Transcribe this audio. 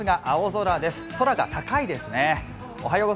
空が高いですね。